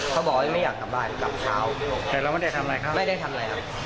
เขาบอกว่าไม่อยากกลับบ้านกลับเช้าแต่เราไม่ได้ทำอะไรครับไม่ได้ทำอะไรครับ